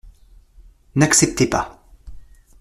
N'acceptez pas.